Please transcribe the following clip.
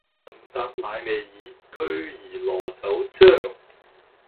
問答乃未已，驅兒羅酒漿。